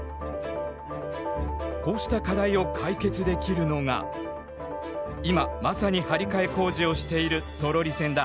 こうした課題を解決できるのが今まさに張り替え工事をしているトロリ線だ。